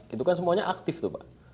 itu kan semuanya aktif tuh pak